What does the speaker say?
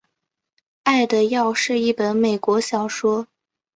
爱的药是一本美国小说。